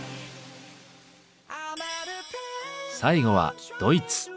最後はドイツ。